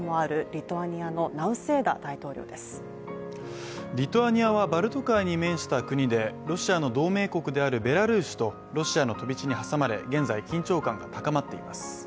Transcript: リトアニアはバルト海に面した国でロシアの同盟国であるベラルーシとロシアの飛び地に挟まれ現在、緊張感が高まっています。